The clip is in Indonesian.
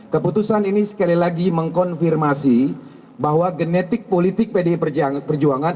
keputusan ini sekali lagi mengkonfirmasi bahwa genetik politik pdi perjuangan